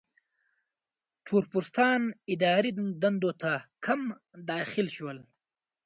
تور پوستان اداري دندو ته کم داخل شول.